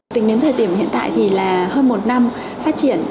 tính đến thời điểm hiện tại thì là hơn một năm phát triển